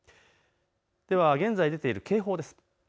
では現在出ている警報です。